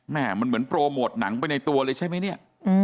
แม่มันเหมือนโปรโมทหนังไปในตัวเลยใช่ไหมเนี่ย